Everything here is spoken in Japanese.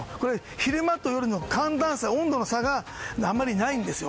昼間と夜の寒暖差、温度の差があまりないんですよ。